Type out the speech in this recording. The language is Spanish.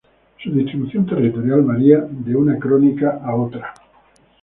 Su distribución territorial varía de una crónica a otra.